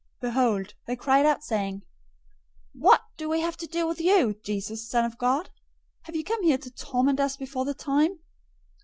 008:029 Behold, they cried out, saying, "What do we have to do with you, Jesus, Son of God? Have you come here to torment us before the time?"